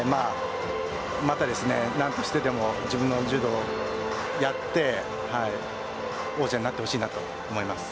また何としてでも自分の柔道をやって王者になってほしいと思います。